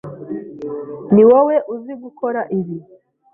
Niwowe uzi gukora ibi.